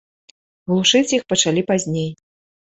Глушыць іх пачалі пазней.